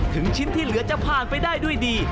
ชิ้นที่เหลือจะผ่านไปได้ด้วยดี